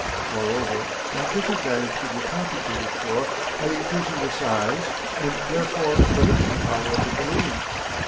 Moreover that disadvantage could be compensated for by increasing the size, and therefore the lifting power of the balloon.